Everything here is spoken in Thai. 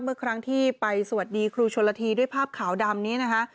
เมื่อครั้งที่ไปสวัสดีครูชนละทีด้วยภาพขาวดำนี้นะคะ